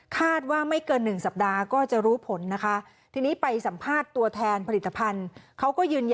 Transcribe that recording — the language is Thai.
คาดว่าไม่เกิน๑สัปดาห์ก็จะรู้ผลนะคะ